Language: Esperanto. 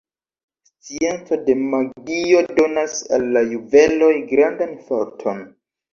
Scienco de magio donas al la juveloj grandan forton.